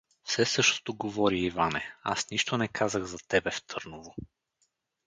— Все същото говори, Иване, аз нищо не казах за тебе в Търново!